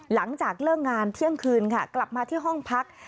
หลังจากเลิกงานเที่ยงคืนค่ะกลับมาที่ห้องพัก